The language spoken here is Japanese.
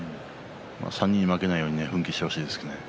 ３人に負けないように奮起してほしいです。